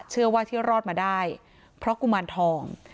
เชื่อว่าที่รอดมาได้เพราะกุมารทอง